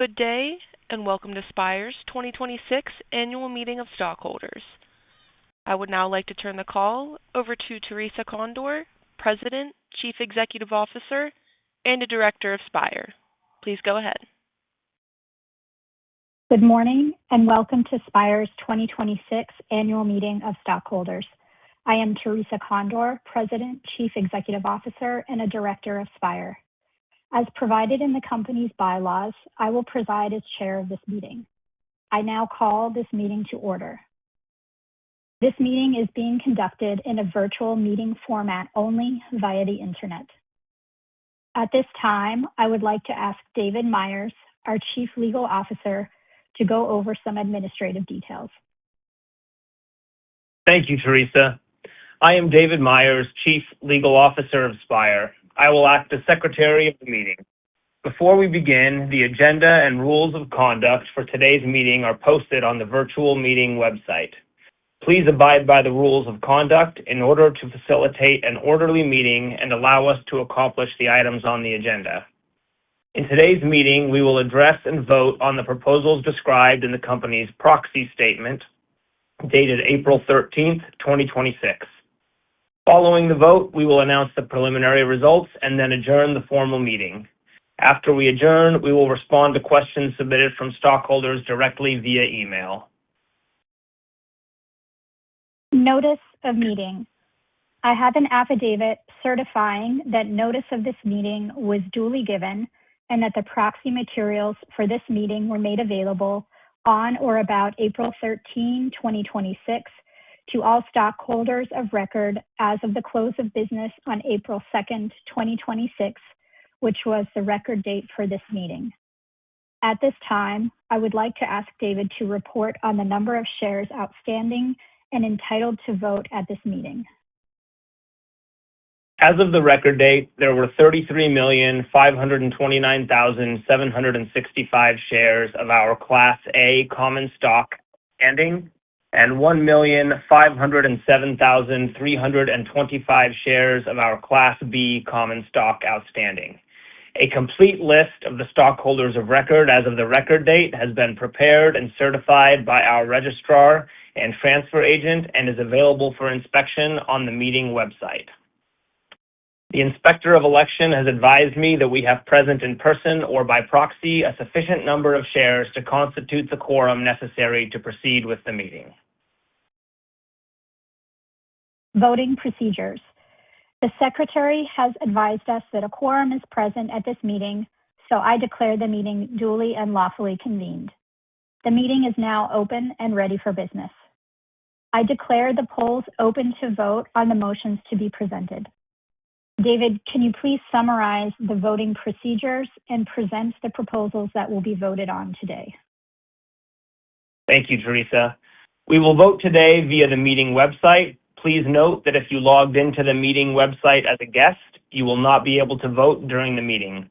Good day, and welcome to Spire's 2026 Annual Meeting of Stockholders. I would now like to turn the call over to Theresa Condor, President, Chief Executive Officer, and a Director of Spire. Please go ahead. Good morning, and welcome to Spire's 2026 Annual Meeting of Stockholders. I am Theresa Condor, President, Chief Executive Officer, and a Director of Spire. As provided in the company's bylaws, I will preside as Chair of this meeting. I now call this meeting to order. This meeting is being conducted in a virtual meeting format only via the Internet. At this time, I would like to ask David Myers, our Chief Legal Officer, to go over some administrative details. Thank you, Theresa. I am David Myers, Chief Legal Officer of Spire. I will act as Secretary of the meeting. Before we begin, the agenda and rules of conduct for today's meeting are posted on the virtual meeting website. Please abide by the rules of conduct in order to facilitate an orderly meeting and allow us to accomplish the items on the agenda. In today's meeting, we will address and vote on the proposals described in the company's proxy statement, dated April 13th, 2026. Following the vote, we will announce the preliminary results and then adjourn the formal meeting. After we adjourn, we will respond to questions submitted from stockholders directly via email. Notice of meeting. I have an affidavit certifying that notice of this meeting was duly given and that the proxy materials for this meeting were made available on or about April 13, 2026, to all stockholders of record as of the close of business on April 2nd, 2026, which was the record date for this meeting. At this time, I would like to ask David to report on the number of shares outstanding and entitled to vote at this meeting. As of the record date, there were 33,529,765 shares of our Class A common stock outstanding and 1,507,325 shares of our Class B common stock outstanding. A complete list of the stockholders of record as of the record date has been prepared and certified by our registrar and transfer agent and is available for inspection on the meeting website. The Inspector of Election has advised me that we have present in person or by proxy, a sufficient number of shares to constitute the quorum necessary to proceed with the meeting. Voting procedures. The Secretary has advised us that a quorum is present at this meeting. I declare the meeting duly and lawfully convened. The meeting is now open and ready for business. I declare the polls open to vote on the motions to be presented. David, can you please summarize the voting procedures and present the proposals that will be voted on today? Thank you, Theresa. We will vote today via the meeting website. Please note that if you logged into the meeting website as a guest, you will not be able to vote during the meeting.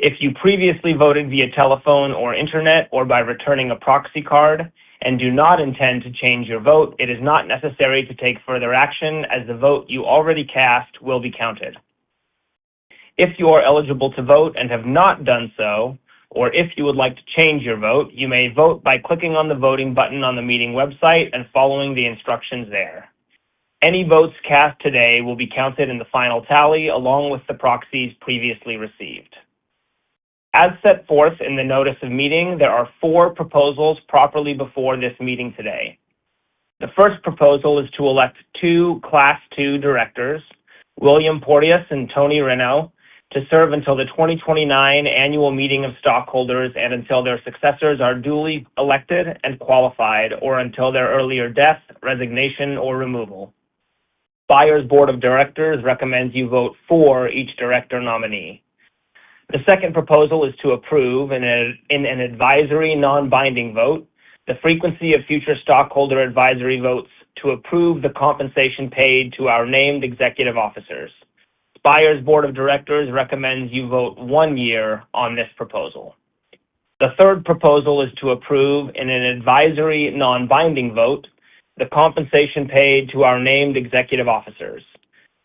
If you previously voted via telephone or internet or by returning a proxy card and do not intend to change your vote, it is not necessary to take further action as the vote you already cast will be counted. If you are eligible to vote and have not done so, or if you would like to change your vote, you may vote by clicking on the voting button on the meeting website and following the instructions there. Any votes cast today will be counted in the final tally along with the proxies previously received. As set forth in the notice of meeting, there are four proposals properly before this meeting today. The first proposal is to elect two Class II directors, William Porteous and Toni Rinow, to serve until the 2029 annual meeting of stockholders and until their successors are duly elected and qualified, or until their earlier death, resignation, or removal. Spire's Board of Directors recommends you vote for each Director nominee. The second proposal is to approve, in an advisory non-binding vote, the frequency of future stockholder advisory votes to approve the compensation paid to our named executive officers. Spire's Board of Directors recommends you vote one year on this proposal. The third proposal is to approve, in an advisory non-binding vote, the compensation paid to our named executive officers.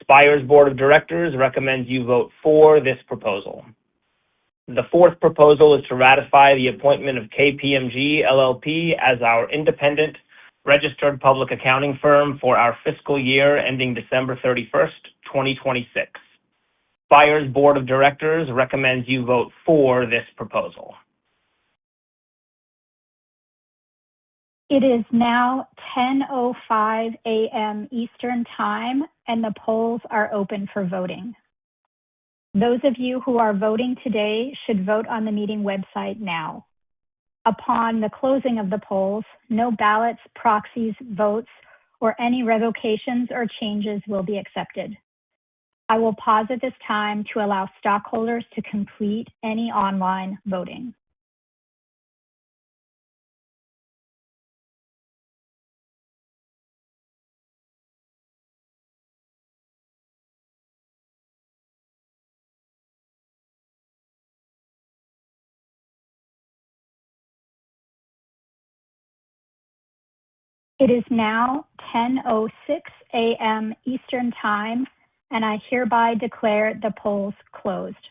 Spire's Board of Directors recommends you vote for this proposal. The fourth proposal is to ratify the appointment of KPMG LLP as our independent registered public accounting firm for our fiscal year ending December 31st, 2026. Spire's Board of Directors recommends you vote for this proposal. It is now 10:05 A.M. Eastern Time. The polls are open for voting. Those of you who are voting today should vote on the meeting website now. Upon the closing of the polls, no ballots, proxies, votes, or any revocations or changes will be accepted. I will pause at this time to allow stockholders to complete any online voting. It is now 10:06 A.M. Eastern Time. I hereby declare the polls closed.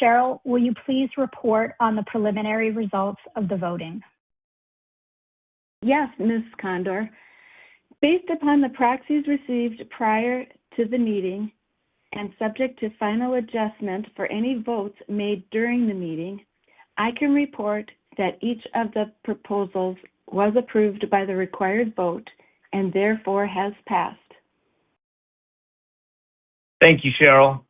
Cheryl, will you please report on the preliminary results of the voting? Yes, Ms. Condor. Based upon the proxies received prior to the meeting and subject to final adjustment for any votes made during the meeting, I can report that each of the proposals was approved by the required vote and therefore has passed. Thank you, Cheryl.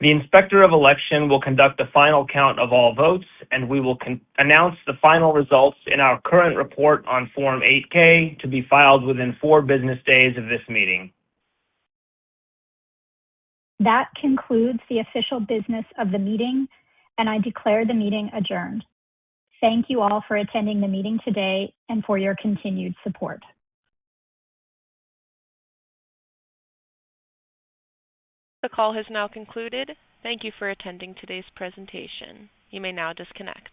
The Inspector of Election will conduct a final count of all votes. We will announce the final results in our current report on Form 8-K to be filed within four business days of this meeting. That concludes the official business of the meeting, and I declare the meeting adjourned. Thank you all for attending the meeting today and for your continued support. The call has now concluded. Thank you for attending today's presentation. You may now disconnect.